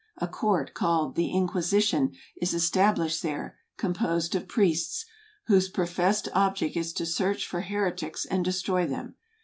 A court, called the Inquisition, is established there, composed of priests, whose professed ob¬ ject is to search for heretics, and destroy them.